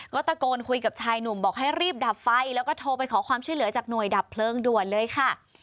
ก็ตะโกนคุยกับชายหนุ่มบอกให้รีบดับไฟแล้วก็โทรไปขอความช่วยเหลือจากหน่วยดับเพลิงด่วนเลยค่ะ